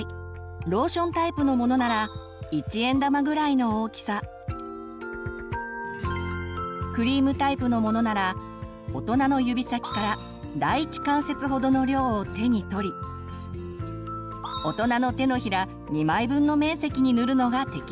ローションタイプのものならクリームタイプのものなら大人の指先から第一関節ほどの量を手に取り大人の手のひら２枚分の面積に塗るのが適量です。